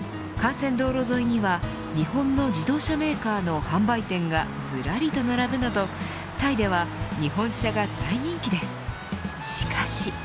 幹線道路沿いには日本の自動車メーカーの販売店が、ずらりと並ぶなどタイでは日本車が大人気です、しかし。